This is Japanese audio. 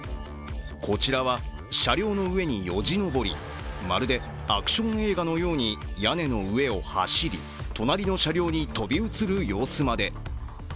こちらは、車両の上によじ登り、まるでアクション映画のように屋根の上を走り、隣の車両に飛び移る様子まで。